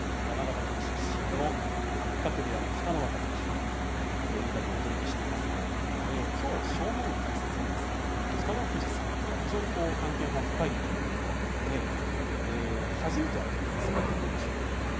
山形県出身の八角部屋の北の若関きょうインタビューをお届けしていますがきょう正面解説の北の富士さんとは非常に関係が深いということで初めて会ったのはいつごろでしょうか？